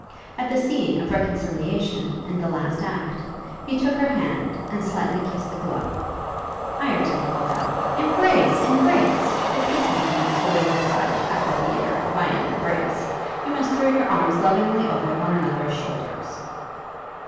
At the scene of the reconciliation, in the last act, he took her hand, and slightly kissed the glove. Ireton called out, 'Embrace! embrace! the peace making is always decided, at the theatre, by an embrace. You must throw your arms lovingly over one another's shoulders.'